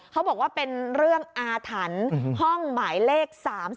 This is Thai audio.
เขาบอกว่าเป็นเรื่องอาถรรพ์ห้องหมายเลข๓๒